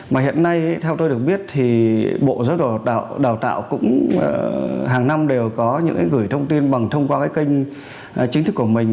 mà hiện nay theo tôi được biết thì bộ giáo dục đào tạo cũng hàng năm đều có những gửi thông tin bằng thông qua cái kênh chính thức của mình